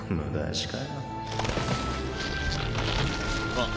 あっ。